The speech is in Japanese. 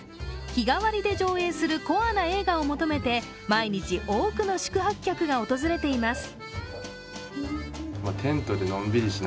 日替わりで上映するコアな映画を求めて毎日多くの宿泊客が訪れています。